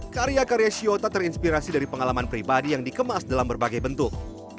karya karya shiota terinspirasi dari pengalaman pribadi yang dikemas dalam berbagai bentuk